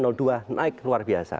naik luar biasa